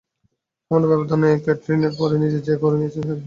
সামান্য ব্যবধানে ক্যাটরিনার পরে নিজের জায়গা করে নিয়েছেন কারিনা কাপুর খান।